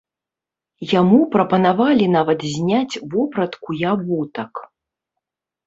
Яму прапанавалі нават зняць вопратку і абутак.